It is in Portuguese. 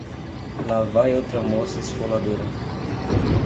Lá vai outra moça esfoladora.